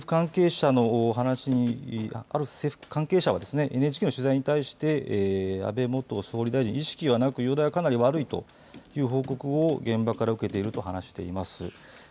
ある政府関係者はＮＨＫの取材に対して安倍元総理大臣意識はなく容体はかなり悪いという報告を現場から受けていると話しています。